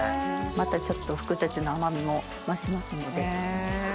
またちょっとふくたちの甘みも増しますので。